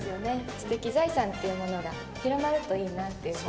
知的財産というものが広まるといいなというふうに。